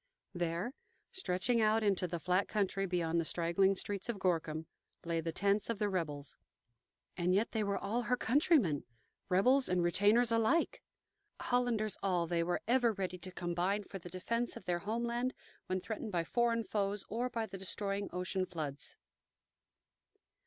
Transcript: There, stretching out into the flat country beyond the straggling streets of Gorkum, lay the tents of the rebels. And yet they were all her countrymen rebels and retainers alike. Hollanders all, they were ever ready to combine for the defence of their homeland when threatened by foreign foes or by the destroying ocean floods.